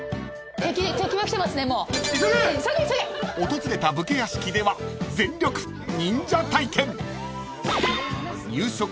［訪れた武家屋敷では全力忍者体験］